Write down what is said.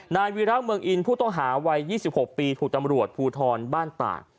นายวีรักษ์เมืองอินผู้ต้องหาวัย๒๖ปีถูกตำรวจภูทรบ้านตาก